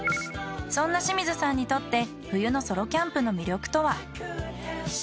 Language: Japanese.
そんな清水さんにとって冬のソロキャンプの魅力とは？